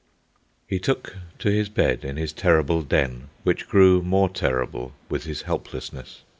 He took to his bed in his terrible den, which grew more terrible with his helplessness.